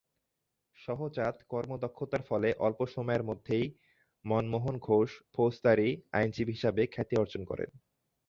সহজাত কর্মদক্ষতার ফলে অল্প সময়ের মধ্যেই মনমোহন ঘোষ ফৌজদারি আইনজীবী হিসেবে খ্যাতি অর্জন করেন।